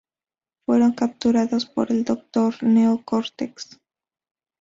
Fueron capturados por el doctor Neo Cortex.